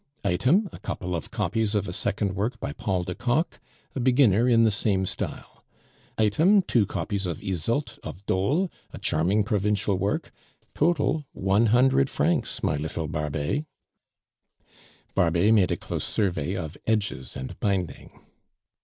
Item a couple of copies of a second work by Paul de Kock, a beginner in the same style. Item two copies of Yseult of Dole, a charming provincial work. Total, one hundred francs, my little Barbet." Barbet made a close survey of edges and binding.